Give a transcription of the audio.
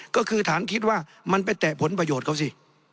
ก็คือฐานคิดว่ามันไปแตะผลประโยชน์เขาสิ